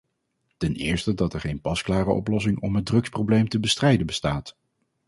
Ten eerste dat er geen pasklare oplossing om het drugsprobleem te bestrijden bestaat.